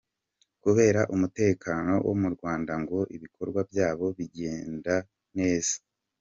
Kubera umutekano wo mu Rwanda, ngo ibikorwa byabo bigenda neza.